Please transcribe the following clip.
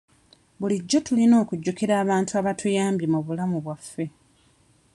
Bulijjo tulina okujjukira abantu abatuyambye mu bulamu bwaffe.